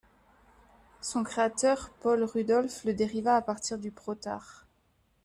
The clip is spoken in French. Son créateur, Paul Rudolph, le dériva à partir du Protar.